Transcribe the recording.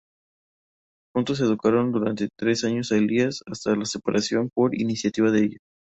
Juntos educaron durante seis años a Elías, hasta la separación por iniciativa de ella.